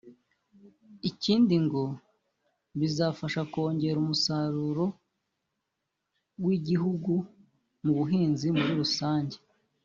Ikindi ngo bizafasha kongera umusaruro w’igihugu mu buhinzi muri rusange